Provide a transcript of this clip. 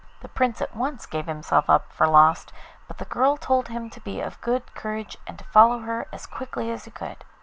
The Prince at once gave himself up for lost, but the girl told him to be of good courage and to follow her as quickly as he could.